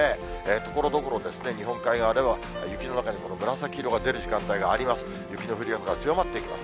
ところどころ、日本海側では雪の中に紫色が出る時間帯があります。